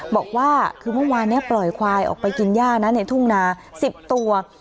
บอกว่าคือเมื่อวานนี้ปล่อยควายออกไปกินย่านะในทุ่งนา๑๐ตัว